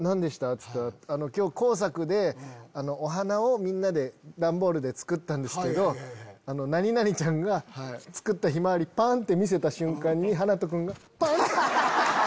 っつったら「今日工作でお花をみんなで段ボールで作ったんですけど○○ちゃんが作ったヒマワリパンって見せた瞬間にはなと君がパン！って」。